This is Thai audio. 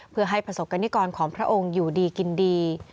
เพื่อให้ประสบกรณิกรของพระองค์อยู่ดีกินดี